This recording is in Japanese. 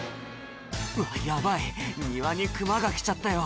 「うわヤバい庭にクマが来ちゃったよ」